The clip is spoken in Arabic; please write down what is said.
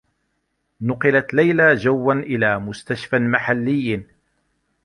نُقِلت ليلى جوّا إلى مستشفى محلّي.